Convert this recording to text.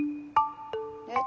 えっ？